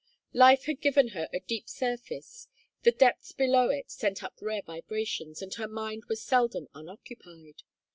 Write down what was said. Life had given her a deep surface; the depths below it sent up rare vibrations; and her mind was seldom unoccupied.